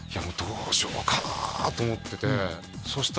もうどうしようかなと思っててそ